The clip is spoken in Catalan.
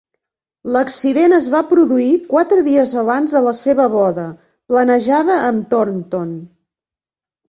L"accident es va produir quatre dies abans de la seva boda planejada amb Thornton.